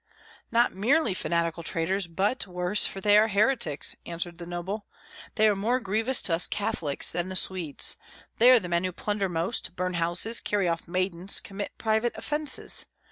"Not merely fanatical traitors, but worse, for they are heretics," answered the noble. "They are more grievous to us Catholics than the Swedes; they are the men who plunder most, burn houses, carry off maidens, commit private offences.